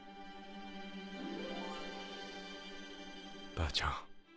ばあちゃん